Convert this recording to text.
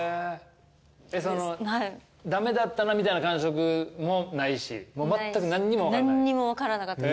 その駄目だったなみたいな感触もないしもうまったく何にも分かんない？